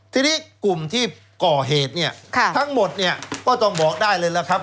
ทีนี้กลุ่มที่ก่อเหตุทั้งหมดก็ต้องบอกได้เลยแล้วครับ